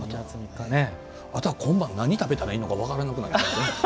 あとは今晩、何を食べたらいいか分からなくなりますね。